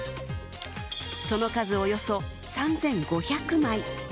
その数およそ３５００枚。